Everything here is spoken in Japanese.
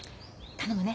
頼むね。